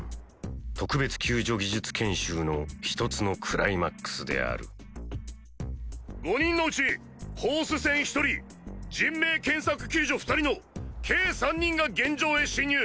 特別救助技術研修のひとつのクライマックスである５人のうちホース線１人人命検索救助２人の計３人が現場へ進入。